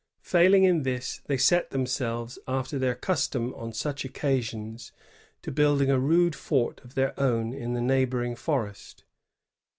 Failing in this, they set themselves, after their custom on such occasions, to building a rude fort of their own in the neighboring forest.